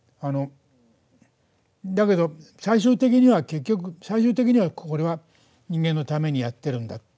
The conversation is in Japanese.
だけど最終的には、結局最終的には、これは人間のためにやってるんだ。